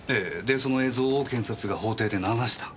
でその映像を検察が法廷で流した。